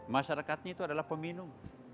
masyarakatnya itu adalah peminum